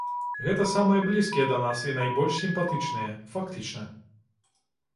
Гэта самыя блізкія да нас і найбольш сімпатычныя, фактычна.